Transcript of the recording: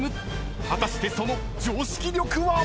［果たしてその常識力は⁉］